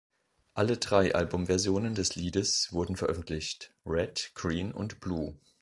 Alle drei Albumversionen des Liedes wurden veröffentlicht: Red, Green und Blue.